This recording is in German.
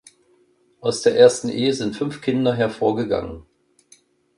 Aus der ersten Ehe sind fünf Kinder hervorgegangen.